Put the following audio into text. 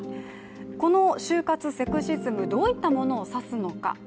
この就活セクシズム、どういったものを指すのか。